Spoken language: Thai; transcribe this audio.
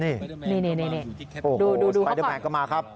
นี่ดูไปเดอร์แมนก็มาครับ